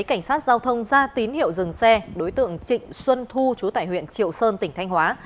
cảnh sát giao thông ra tín hiệu dừng xe đối tượng trịnh xuân thu chú tại huyện triệu sơn tỉnh thanh hóa